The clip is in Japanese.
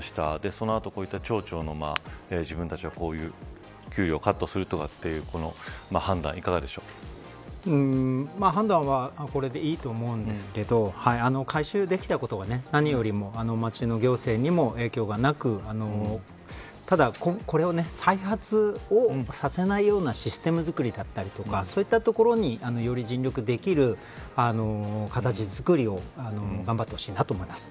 そのあとこういった町長の自分たちの給与をカットするという判断判断はこれでいいと思うんですけど回収できたことは、何よりも町の行政にも影響がなくただ、これを再発をさせないようなシステム作りだったりとかそういったところにより尽力できる形作りを頑張ってほしいと思います。